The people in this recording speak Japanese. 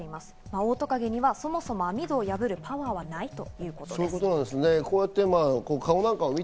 オオトカゲにはそもそも網戸を破るパワーはないということです。